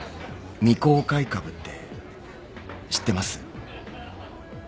未公開株って知ってます？